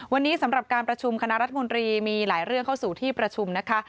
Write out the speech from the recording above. วันนี้สำหรับการประชุมคณะรัฐมนตรีมีหลายเรื่องเข้าสู่ที่ประชุมนะคะ